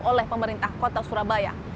oleh pemerintah kota surabaya